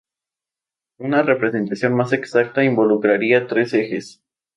Una representación más exacta involucraría tres ejes.